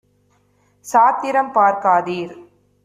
சாத்திரம் பார்க்கா தீர்!